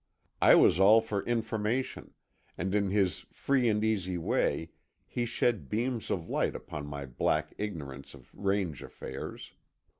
I was all for information, and in his free and easy way he shed beams of light upon my black ignorance of range affairs.